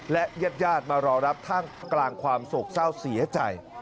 และญาติมารอรับท่ามกลางความโศกเศร้าเสียใจ